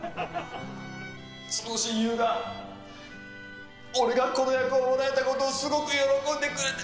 その親友が俺がこの役をもらえたことをすごく喜んでくれて。